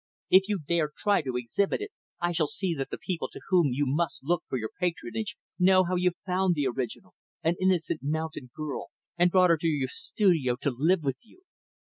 If you dare try to exhibit it, I shall see that the people to whom you must look for your patronage know how you found the original, an innocent, mountain girl, and brought her to your studio to live with you.